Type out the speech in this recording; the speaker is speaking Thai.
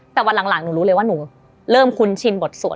แต่วันหลังหนูรู้เลยว่าหนูเริ่มคุ้นชินบทสวด